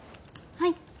はい。